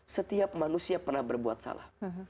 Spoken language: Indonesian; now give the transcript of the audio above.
setiap manusia pernah berbuat salah